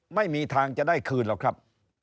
ไม่มีทางจะได้คืนหรอกครับ